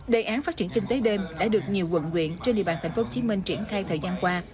đề án phát triển kinh tế đêm đã được nhiều quận quyện trên địa bàn tp hcm triển khai thời gian qua